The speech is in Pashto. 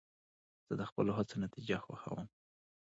زه د خپلو هڅو نتیجه خوښوم.